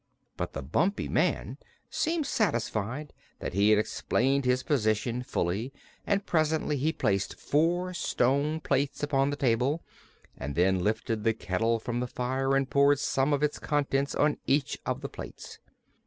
But the Bumpy Man seemed satisfied that he had explained his position fully and presently he placed four stone plates upon the table and then lifted the kettle from the fire and poured some of its contents on each of the plates.